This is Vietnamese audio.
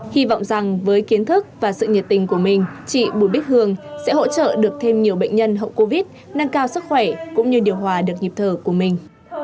hy vọng rằng với kiến thức và sự nhiệt tình của mình chị bùi bích hương sẽ hỗ trợ được thêm nhiều bệnh nhân hậu covid nâng cao sức khỏe cũng như điều hòa được nhịp thở của mình